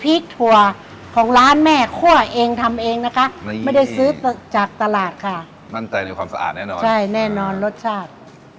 ถั่วของร้านแม่คั่วเองทำเองนะคะไม่ได้ซื้อจากตลาดค่ะมั่นใจในความสะอาดแน่นอนใช่แน่นอนรสชาติ